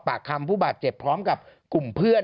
ปากคำผู้บาดเจ็บพร้อมกับกลุ่มเพื่อน